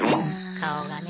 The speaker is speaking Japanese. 顔がね。